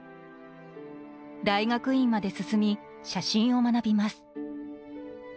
大学院まで進み写真を学びます。